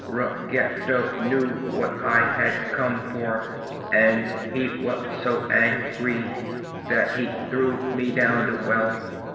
Rug ge do knew what I had come for, and he was so an gry that he threw me down the well.